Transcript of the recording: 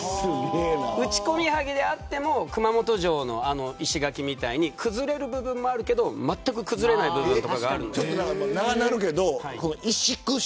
打込接であっても熊本城の石垣みたいに崩れる部分もあるけどまったく崩れない部分もある。